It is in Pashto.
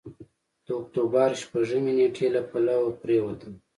د اکتوبر شپږمې نېټې له پله پورېوتم.